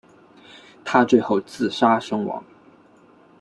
他最后自杀身亡。